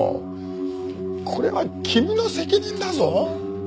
これは君の責任だぞ。